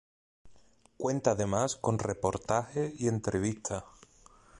Cuenta además con reportajes y entrevistas.